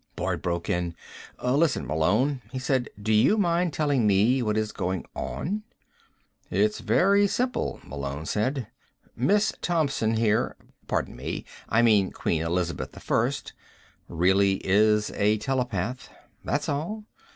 Boyd broke in. "Listen, Malone," he said, "do you mind telling me what is going on?" "It's very simple," Malone said. "Miss Thompson here ... pardon me; I mean Queen Elizabeth I ... really is a telepath. That's all.